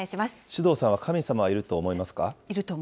首藤さんは神様はいると思いますか？